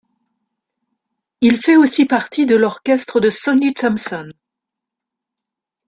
Il fait aussi partie de l'orchestre de Sonny Thompson.